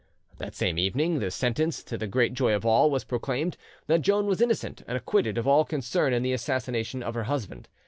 That same evening the sentence, to the great joy of all, was proclaimed, that Joan was innocent and acquitted of all concern in the assassination of her husband.